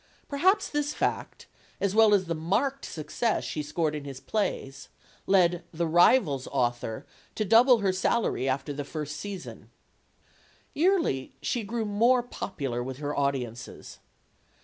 Perhaps this fact, as well as the marked success she scored in his plays, led "The Rivals* " author to double her salary after the first season. Yearly she grew more popular with her audiences.